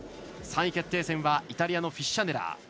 ３位決定戦はイタリアのフィッシャネラー。